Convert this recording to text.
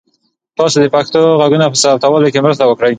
تاسو د پښتو ږغونو په ثبتولو کې مرسته وکړئ.